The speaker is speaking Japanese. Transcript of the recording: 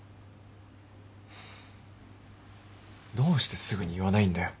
どうしてすぐに言わないんだよ。